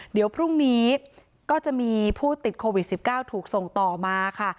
เดี๋ยวพรุ่งนี้ก็จะมีผู้ติดโควิด๑๙ถูกส่งต่อมาค่ะ